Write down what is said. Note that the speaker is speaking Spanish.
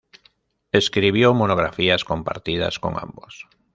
Escribió monografías compartidas con ambos.